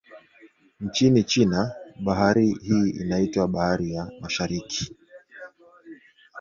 Nchini China, bahari hii inaitwa Bahari ya Mashariki.